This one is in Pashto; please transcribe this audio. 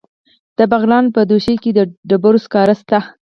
د بغلان په دوشي کې د ډبرو سکاره شته.